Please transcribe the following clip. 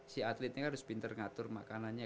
si atletnya harus pintar ngatur makanannya